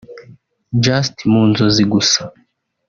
just mu nzozi gusa